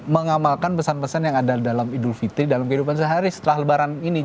mengamalkan pesan pesan yang ada dalam idul fitri dalam kehidupan sehari setelah lebaran ini